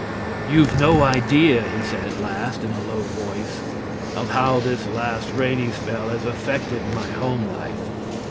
"You've no idea," he said at last, in a low voice, "of how this last rainy spell has affected my home life.